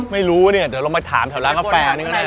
ไม่รู้เนี่ยเดี๋ยวลองมาถามแถวร้านกาแฟนี่ก็ได้